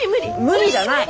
無理じゃない！